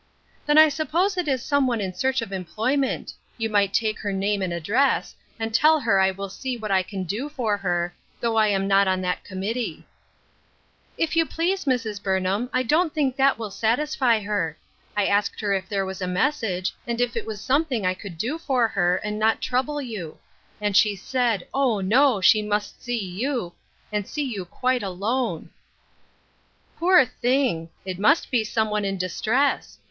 "Then I suppose it is some one in search of employment ; you might take her name and address, and tell her I will see what I can do fur her, though I am not on that committee." "If you please, Mrs. Burnham, I don't think that will satisfy her. I asked her if there was a message, and if it was something I could do for her, and not trouble you ; and she said, O, no ! she must see you, and see you quite alone." l66 A TROUBLESOME "YOUNG PERSON." " Poor thing ! it must be some one in distress.